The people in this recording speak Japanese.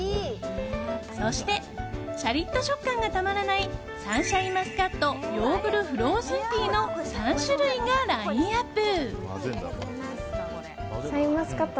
そして、しゃりっと食感がたまらないＳＵＮシャインマスカットヨーグルフローズンティーの３種類がラインアップ。